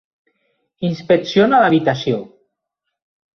Inspecciona l'habitació.